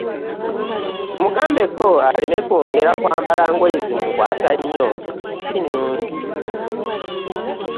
Mugambeko aleme kwongera kwambala ngoye zimukwata nnyo si nnungi.